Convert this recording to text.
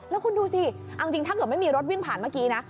แล้วคุณดูสิเอาจริงถ้าเกิดไม่มีรถวิ่งผ่านเมื่อกี้นะ